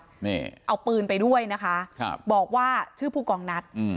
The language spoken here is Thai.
นี่เอาปืนไปด้วยนะคะครับบอกว่าชื่อผู้กองนัดอืม